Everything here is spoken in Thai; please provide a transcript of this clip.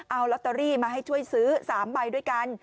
เอาลอตเตอรี่มาให้ช่วยซื้อ๓ใบด้วยกัน